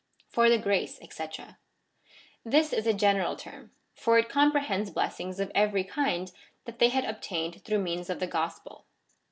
For the grace, &c. This is a general term, for it compre hends blessings of eveiy kind that they had obtained through means of the gospel.